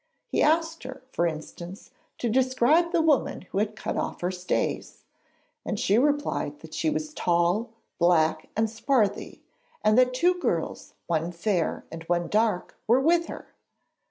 He asked her, for instance, to describe the woman who had cut off her stays, and she replied that she was 'tall, black and swarthy, and that two girls, one fair and one dark, were with her.'